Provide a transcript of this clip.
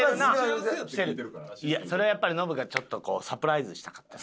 いやそれはやっぱりノブがちょっとこうサプライズしたかった。